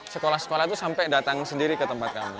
sekolah sekolah itu sampai datang sendiri ke tempat kami